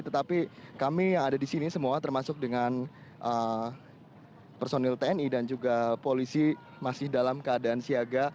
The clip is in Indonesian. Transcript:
tetapi kami yang ada di sini semua termasuk dengan personil tni dan juga polisi masih dalam keadaan siaga